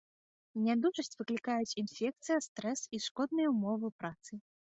Нядужасць выклікаюць інфекцыя, стрэс і шкодныя ўмовы працы.